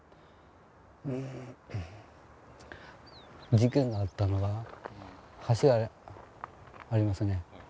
事件があったのは橋がありますよね。